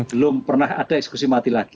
belum pernah ada eksekusi mati lagi